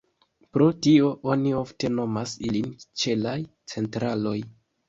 Pro tio, oni ofte nomas ilin ĉelaj "centraloj".